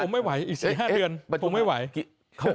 ไม่ไหวอีก๔๕เดือนคงไม่ไหว